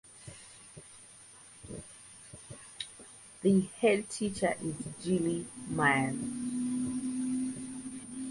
The head teacher is Jilly Myers.